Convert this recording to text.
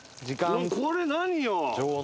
これ何よ？